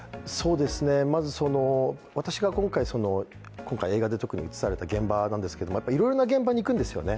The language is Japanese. まず、私が今回映画で特に伝えた現場なんですけど、いろいろな現場に行くんですよね